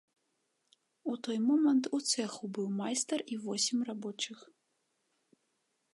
У той момант у цэху быў майстар і восем рабочых.